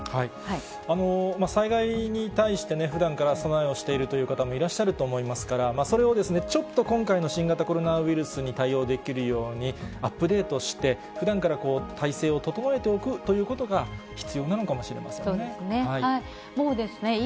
災害に対して、ふだんから備えをしているという方もいらっしゃると思いますから、それをちょっと今回の新型コロナウイルスに対応できるようにアップデートして、ふだんから体制を整えておくということが必要なのそうですね。